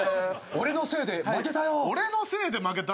「俺のせいで負けた」！？